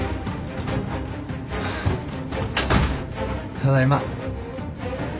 ・ただいま。